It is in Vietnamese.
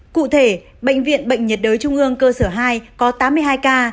cụ thể bệnh viện bệnh nhiệt đới trung ương cơ sở hai có tám mươi hai ca